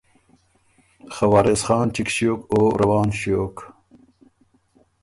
خه وارث خان چِګ ݭیوک او روان ݭیوک۔